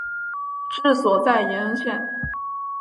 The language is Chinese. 治所在延恩县。